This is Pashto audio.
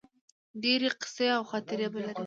ډیرې قیصې او خاطرې به لرې